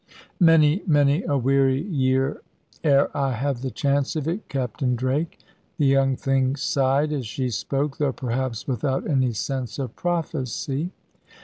"Many, many a weary year, ere I have the chance of it, Captain Drake." The young thing sighed as she spoke, though perhaps without any sense of prophecy.